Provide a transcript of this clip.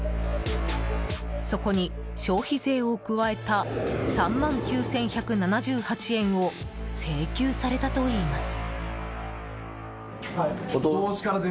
そこに消費税を加えた３万９１７８円を請求されたといいます。